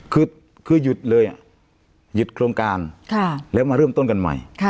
คือหยุดเลยหยุดโครงการแล้วมาเริ่มต้นกันใหม่